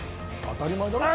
当たり前だろ。